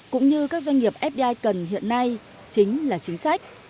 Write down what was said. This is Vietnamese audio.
cũng như các doanh nghiệp fdi cần hiện nay chính là chính sách